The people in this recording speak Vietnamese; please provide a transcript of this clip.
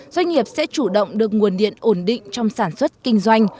doanh nghiệp sẽ chủ động được nguồn điện ổn định trong sản xuất kinh doanh